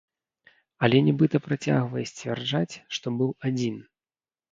Але нібыта працягвае сцвярджаць, што быў адзін.